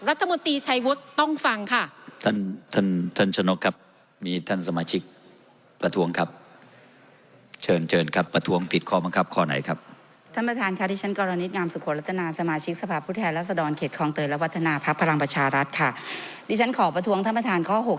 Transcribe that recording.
รัฐมนตรีชัยวุฒิต้องฟังค่ะ